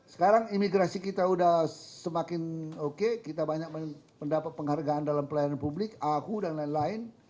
sekarang imigrasi kita sudah semakin oke kita banyak mendapat penghargaan dalam pelayanan publik aku dan lain lain